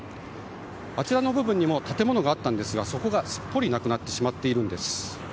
あちらにも建物があったんですがそこがすっぽりなくなってしまっているんです。